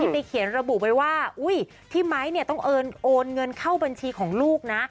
ที่เขียนระบุไว้ว่าที่ไม้ต้องโอนเงินเข้าบัญชีของลูกนะ